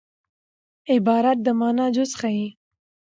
عبارت د مانا جز ښيي.